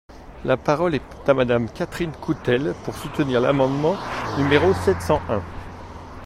La parole est à Madame Catherine Coutelle, pour soutenir l’amendement n° sept cent un.